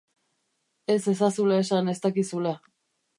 Ez ezazula esan ez dakizula.